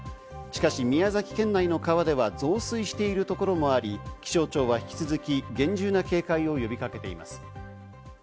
しかし、宮崎県内の川では増水しているところもあり、気象庁は引き続き、厳重な警戒を呼びかけています。